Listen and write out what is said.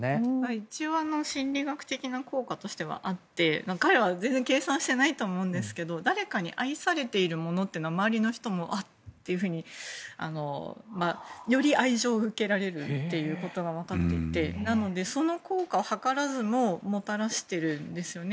一応心理学的な効果としてはあって彼は全然計算していないと思うんですけど誰かに愛されているものというのは周りの人も、あっというふうにより愛情を受けられるということが分かっていてなので、その効果を図らずももたらしているんですよね。